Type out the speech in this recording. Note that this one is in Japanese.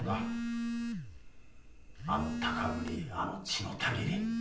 あの高ぶりあの血のたぎり。